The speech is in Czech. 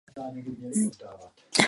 Nic z toho nesmí umožnit pošpinění vod!